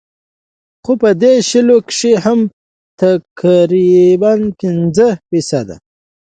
خو پۀ دې شلو کښې هم تقريباً پنځه فيصده